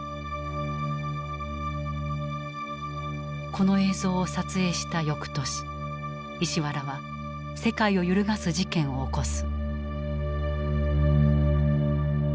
この映像を撮影した翌年石原は世界を揺るがす事件を起こす。